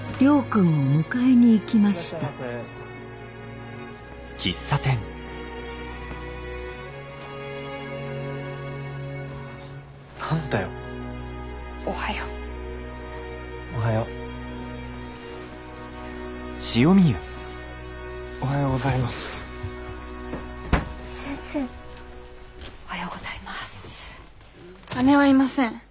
姉はいません。